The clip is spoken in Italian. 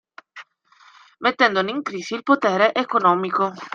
Mettendone in crisi il potere economico.